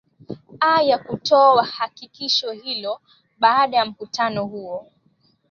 a ya kutoa hakikisho hilo baada ya mkutano huo